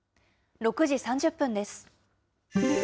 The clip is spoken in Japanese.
６時３０分です。